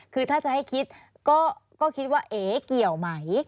คือถ้าจะให้คิดก็คิดว่าเอ๊เกี่ยวไหม